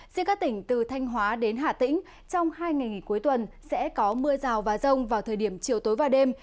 giữa các tỉnh từ thanh hóa đến hà tĩnh trong hai ngày cuối tuần sẽ có mưa rào và rông vào thời điểm chiều tối và đêm